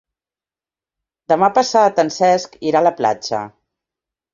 Demà passat en Cesc irà a la platja.